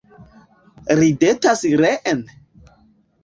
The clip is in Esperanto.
Ridetas reen?